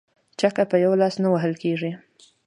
ـ چکه په يوه لاس نه وهل کيږي.